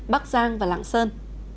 bắc giang và lạng sơn